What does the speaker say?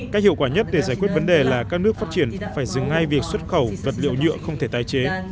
cách hiệu quả nhất để giải quyết vấn đề là các nước phát triển phải dừng ngay việc xuất khẩu vật liệu nhựa không thể tái chế